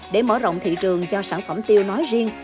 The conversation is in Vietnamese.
để mở rộng thị trường cho sản phẩm tiêu nói riêng